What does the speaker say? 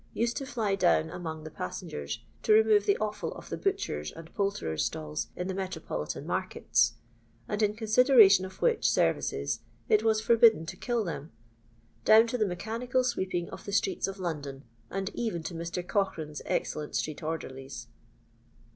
used to fly down among the paisengera to remove the offsl of the butchers and poulterers' stalls in the metropolitan markets, and in consideration of which services it was forbidden to kill them down to the mechanieai sweeping of the streets of London, and even to Mr. Cochrane's excellent street ordeiUlB.